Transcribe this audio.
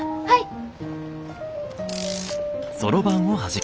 はい。